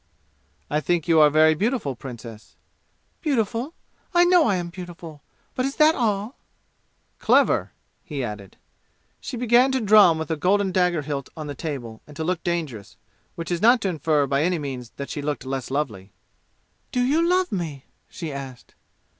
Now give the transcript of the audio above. "I think you are very beautiful, Princess!" "Beautiful? I know I am beautiful. But is that all?" "Clever!" he added. She began to drum with the golden dagger hilt on the table, and to look dangerous, which is not to infer by any means that she looked less lovely. "Do you love me?" she asked.